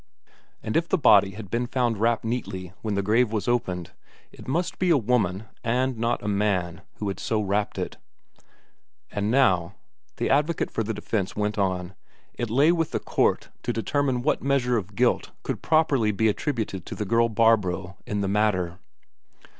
And if the body had been found wrapped neatly when the grave was opened, it must be a woman and not a man who had so wrapped it. And now, the advocate for the defence went on, it lay with the court to determine what measure of guilt could properly be attributed to the girl Barbro in the matter.